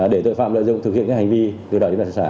để tội phạm lợi dụng thực hiện hành vi từ đầu đến bản sản sản